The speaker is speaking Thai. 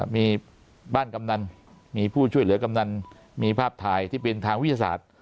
มีบ้านกำนันมีผู้ช่วยเหลือกำนันมีภาพถ่ายที่เป็นทางวิทยาศาสตร์